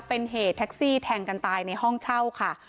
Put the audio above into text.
เป็นเหตุแท็กซี่แทงกันตายในห้องเช่าค่ะ